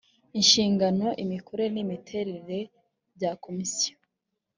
inshingano imikorere n imiterere bya komisiyo